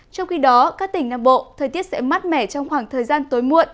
trong khi đó các tỉnh nam bộ thời tiết sẽ mát mẻ trong khoảng thời gian tối muộn